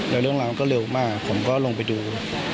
แล้วเรื่องราวมันก็เร็วมากผมก็ลงไปดู